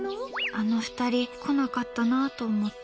あの２人来なかったなと思って。